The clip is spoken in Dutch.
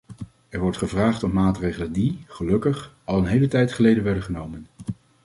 Er wordt gevraagd om maatregelen die, gelukkig, al een hele tijd geleden werden genomen.